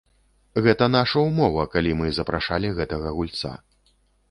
Гэта наша ўмова, калі мы запрашалі гэтага гульца.